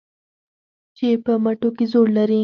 چې په مټو کې زور لري